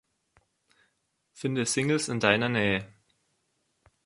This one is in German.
Finde Singles in deiner Nähe!